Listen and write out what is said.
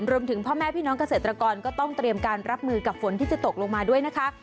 พ่อแม่พี่น้องเกษตรกรก็ต้องเตรียมการรับมือกับฝนที่จะตกลงมาด้วยนะคะ